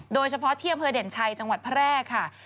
โดยเฉพาะที่อำเภอเด่นชัยจังหวัดแพร่ค่ะ